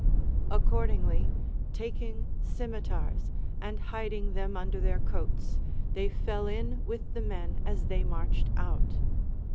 Accordingly, taking scim itars and hiding them under their coats, they fell in with the men as they marched out.